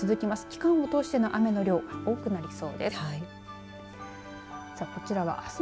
期間を通しての雨の量多くなりそうです。